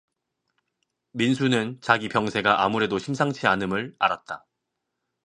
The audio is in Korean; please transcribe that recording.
민수는 자기 병세가 아무래도 심상치 않음을 알았다.